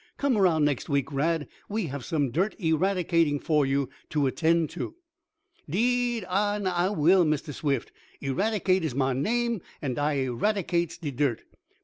"Come around next week, Rad. We have some dirt eradicating for you to attend to." "Deed an' I will, Mistah Swift. Eradicate is mah name, an' I eradicates de dirt.